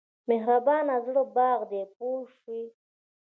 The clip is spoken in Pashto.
مهربان زړه باغ دی پوه شوې!.